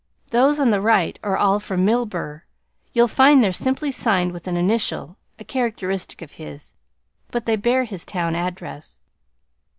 Those on the right are all from Milburgh. You'll find they're simply signed with an initial a characteristic of his but they bear his town address."